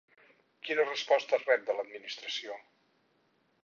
Quina resposta es rep de l'Administració?